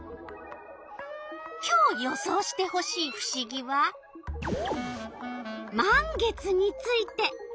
今日予想してほしいふしぎは「満月」について。